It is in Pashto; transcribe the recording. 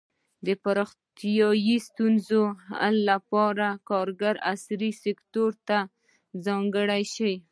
د پراختیايي ستونزو حل لپاره کارګر عصري سکتور ته ځانګړي شي.